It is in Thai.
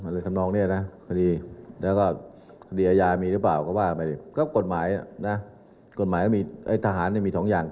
หรือจังหวัดที่อยู่ความรุนแรงว่า